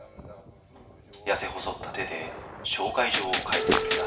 痩せ細った手で紹介状を書いてくれた。